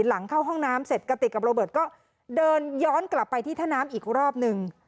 หลังเข้าห้องน้ำเสร็จกระติกกับโรเบิร์ตก็เดินย้อนกลับไปที่ท่าน้ำอีกรอบนึง